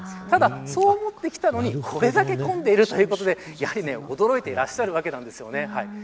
ただ、そう思って来たのにこれだけ混んでいるということでやはり驚いていらっしゃるわけなんですね。